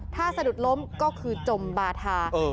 ถ้าสะดุดล้มก็คือจมบาธา